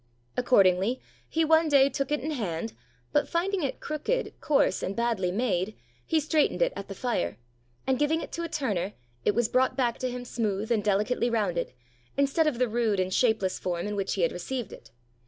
Accordingly, he one day took it in hand, but finding it crooked, coarse, and badly made, he straightened it at the fire, and giving it to a turner, it was brought back to him smooth and delicately rounded, instead of the rude and shapeless form in which he had received it.